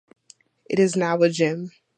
It is now a gym.